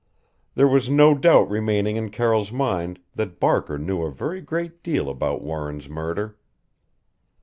There was no doubt remaining in Carroll's mind that Barker knew a very great deal about Warren's murder.